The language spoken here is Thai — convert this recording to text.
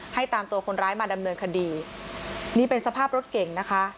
ตามตัวคนร้ายมาดำเนินคดีนี่เป็นสภาพรถเก่งนะคะ